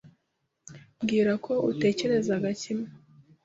Mbwira ko utatekerezaga kimwe.